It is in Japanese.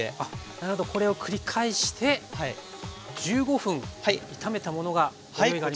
なるほどこれを繰り返して１５分炒めたものがご用意があります。